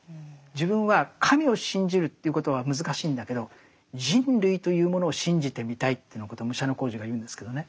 自分は神を信じるということは難しいんだけど人類というものを信じてみたいというようなことを武者小路が言うんですけどね。